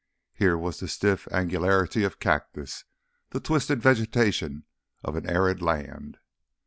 Here was the stiff angularity of cactus, the twisted vegetation of an arid land.